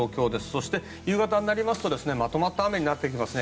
そして夕方になりますとまとまった雨になってきます。